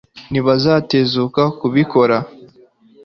ntibazatezuka kubikora